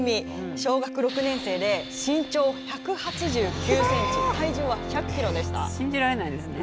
小学６年生で身長１８９センチ体重は１００キロでした。